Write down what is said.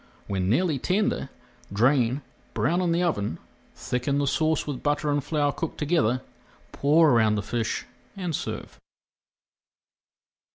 When nearly tender, drain, brown in the oven, thicken the sauce with butter and flour cooked together, pour around the fish and serve.